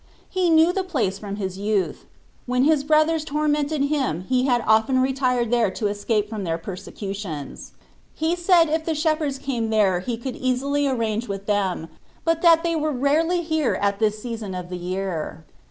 He knew the place from his youth : when his brothers tormented him he had often retired there to es cape from their persecutions. He said if the shepherds came there he could easily arrange with them, but that they 5 74 Ube IRativitp of were rarely here at this season of the year.